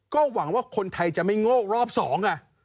ก็หวังว่าคนไทยจะไม่โง่รอบสองอ่ะ